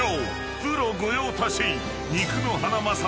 プロ御用達］